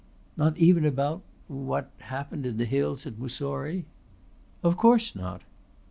"Not even about what happened in the hills at Mussoorie?" "Of course not."